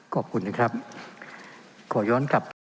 ขอบคุณครับ